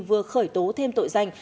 vừa khởi tố thêm tội danh